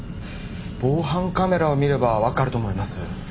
防犯カメラを見ればわかると思います。